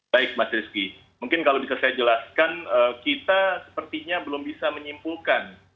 baik mas rizky mungkin kalau bisa saya jelaskan kita sepertinya belum bisa menyimpulkan